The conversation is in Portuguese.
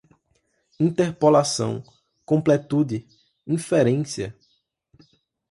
interpolação, completude, inferência